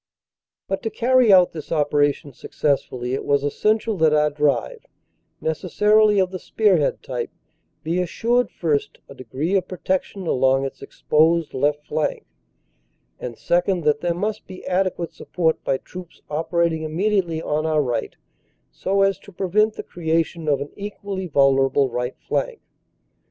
But to carry out this operation successfully, it was essential that our drive, necessarily of the spearhead type, be assured, first, a degree of protection along its exposed left flank; and, second, that there must be adequate support by troops operat ing immediately on our right so as to prevent the creation of an equally vulnerable right flank.